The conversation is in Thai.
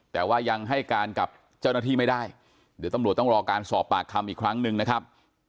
แต่ว่ายังให้การกับเจ้าหน้าที่ไม่ได้เดี๋ยวตำรวจต้องรอการสอบปากคำอีกครั้งหนึ่งนะครับ